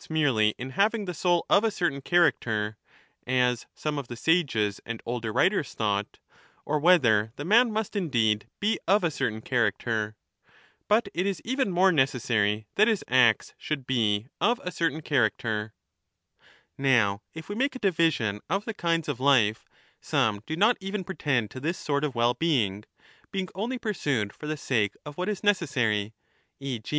E.JV. logs'* 29 1099* 7. 1215^ ETHICA EUDEMIA thought — or whether the man must indeed be of a certain character, but it is even more necessary that his acts should 25 be of a certain character. Now if we make a division of the kinds of life, some do not even pretend to this sort of well being, being only pur sued for the sake of what is necessary, e. g.